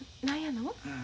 何やの？